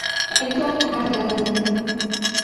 একদম ঠান্ডা লাগানো যাবে না।